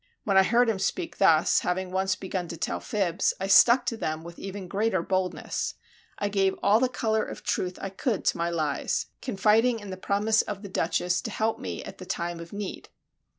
When I heard him speak thus, having once begun to tell fibs, I stuck to them with even greater boldness; I gave all the color of truth I could to my lies, confiding in the promise of the Duchess to help me at the time of need.